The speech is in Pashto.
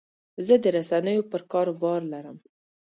زه د رسنیو پر کار باور لرم.